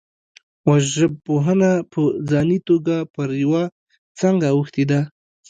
وژژبپوهنه په ځاني توګه پر یوه څانګه اوښتې ده